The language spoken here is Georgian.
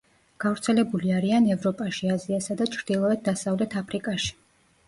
გავრცელებული არიან ევროპაში, აზიასა და ჩრდილოეთ-დასავლეთ აფრიკაში.